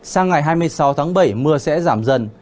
sang ngày hai mươi sáu tháng bảy mưa sẽ giảm dần